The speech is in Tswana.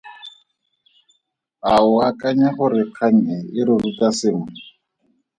A o akanya gore kgang e e re ruta sengwe?